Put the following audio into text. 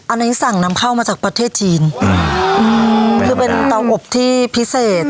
อันนี้สั่งนำเข้ามาจากประเทศจีนอืมคือเป็นเตาอบที่พิเศษ